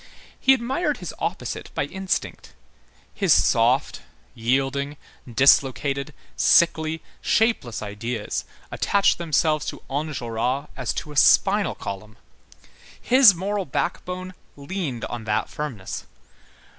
He admired his opposite by instinct. His soft, yielding, dislocated, sickly, shapeless ideas attached themselves to Enjolras as to a spinal column. His moral backbone leaned on that firmness.